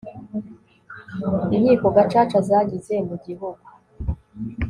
inkiko gacaca zagize mu gihugu